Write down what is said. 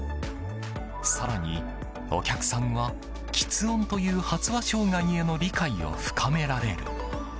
更にお客さんは、吃音という発話障害への理解を深められる。